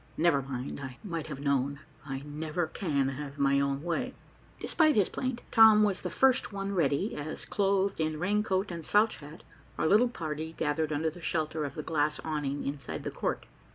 Never mind, I might have known. I never can have my own way." Despite his plaint, Tom was the first one ready, as, clothed in raincoat and slouch hat, our little party gathered under the shelter of the glass awning inside the court.